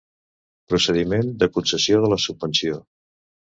Procediment de concessió de la subvenció.